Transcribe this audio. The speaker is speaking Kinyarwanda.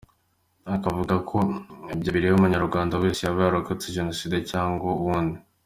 Akavuga ko ibyo bireba Umunyarwanda wese yaba yararokotse Jenoside cyangwa uwundi.